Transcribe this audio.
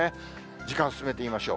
時間進めて見ましょう。